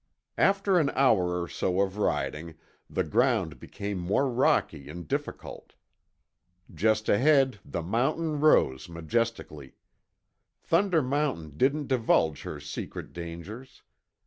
After an hour or so of riding, the ground became more rocky and difficult. Just ahead the mountain rose majestically. Thunder Mountain didn't divulge her secret dangers.